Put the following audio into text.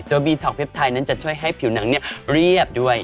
โดยบีท็อกเพชรไทยนั้นจะช่วยให้ผิวหนังเรียบด้วย